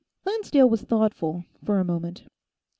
Lancedale was thoughtful, for a moment.